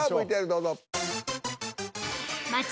ＶＴＲどうぞ。